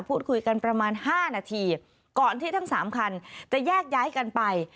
พูดคุยกันประมาณ๕นาทีก่อนที่ทั้งสามคันจะแยกย้ายกันไป